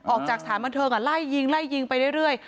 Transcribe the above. ออกจากสถานบันเทิงไล่ยิงไล่ยิงไปเรื่อย